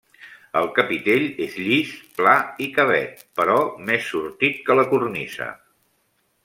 El capitell és llis, pla i cavet, però més sortit que la cornisa.